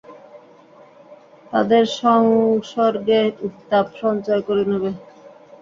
তাঁদের সংসর্গে উত্তাপ সঞ্চয় করে নেবে।